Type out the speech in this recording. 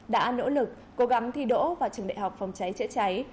đã nỗ lực cố gắng thi đỗ vào trường đại học phòng cháy chữa cháy